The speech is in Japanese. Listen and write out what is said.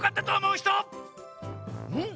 うん？